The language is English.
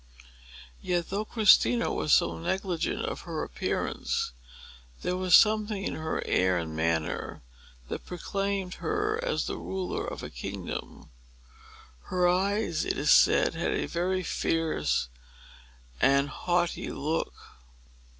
Yet, though Christina was so negligent of her appearance, there was something in her air and manner that proclaimed her as the ruler of a kingdom. Her eyes, it is said, had a very fierce and haughty look.